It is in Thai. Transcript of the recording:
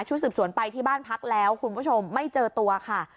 สืบสวนไปที่บ้านพักแล้วคุณผู้ชมไม่เจอตัวค่ะ